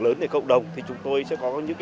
lớn đến cộng đồng thì chúng tôi sẽ có những